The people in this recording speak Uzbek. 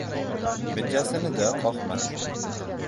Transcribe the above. Mijjasini-da qoqmadi.